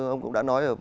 ông cũng đã nói ở